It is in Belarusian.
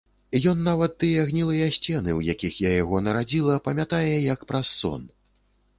Ён нават тыя гнілыя сцены, у якіх я яго нарадзіла, памятае, як праз сон.